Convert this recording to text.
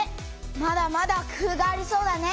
まだまだ工夫がありそうだね。